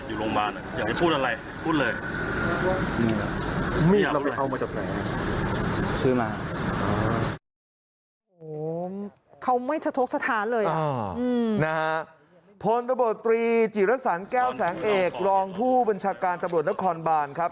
โอ้โหตำรวจตรีจิรสันแก้วแสงเอกรองผู้บัญชาการตำรวจนครบานครับ